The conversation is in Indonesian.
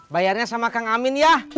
bayarnya sama kang amin ya